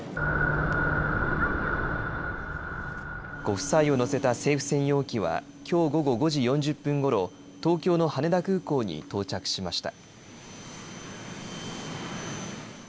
ご夫妻を乗せた政府専用機はきょう午後５時４０分ごろ東京の羽田空港に到着しました。